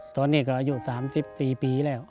ตอนนี้ก็อายุ๓๔ปีแล้ว